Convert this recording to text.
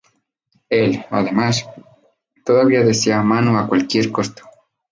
Él, además, todavía desea a Manu a cualquier costo.